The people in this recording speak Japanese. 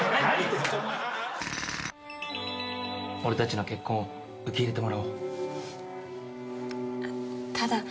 俺たちの結婚受け入れてもらおう。